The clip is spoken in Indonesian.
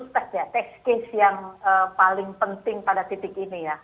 saya kira ini salah satu sukses ya test case yang paling penting pada titik ini ya